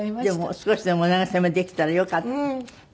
でも少しでもお慰めできたらよかった。